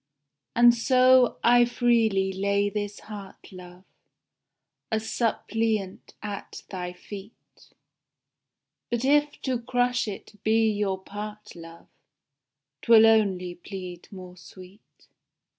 And so I freely lay chis heart, love, A suppliant at thy feet, But if to crush it be your part, love, 'Twill only plead more sweet.